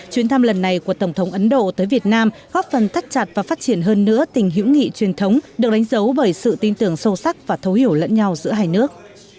chuyến thăm lần này của tổng thống ấn độ tới việt nam góp phần thắt chặt và phát triển hơn nữa tình hữu nghị truyền thống được đánh dấu bởi sự tin tưởng sâu sắc và thấu hiểu lẫn nhau giữa hai nước